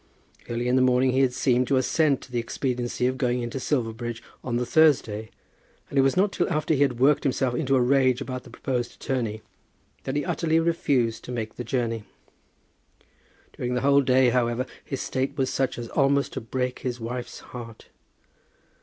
Early in the morning he had seemed to assent to the expediency of going into Silverbridge on the Thursday, and it was not till after he had worked himself into a rage about the proposed attorney, that he utterly refused to make the journey. During the whole day, however, his state was such as almost to break his wife's heart.